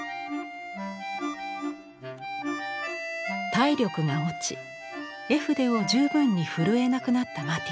体力が落ち絵筆を十分に振るえなくなったマティス。